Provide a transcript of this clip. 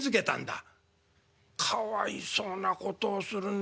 「かわいそうなことをするね